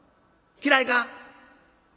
嫌いか？